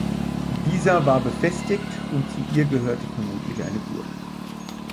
Dieser war befestigt und zu ihr gehörte vermutlich eine Burg.